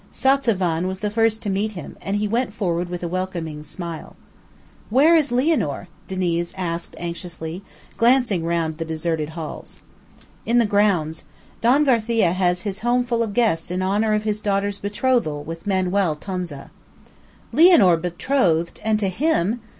Satzavan was the first to meet him, and he went forward with a welcoming smile. "Where is Lianor?" Diniz asked anxiously, glancing round the deserted halls. "In the grounds. Don Garcia has his home full of guests in honor of his daughter's betrothal with Manuel Tonza." "Lianor betrothed, and to him!"